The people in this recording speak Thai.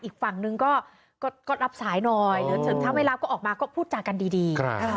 อีกฝั่งนึงก็รับสายหน่อยถึงถ้าไม่รับก็ออกมาก็พูดจากันดี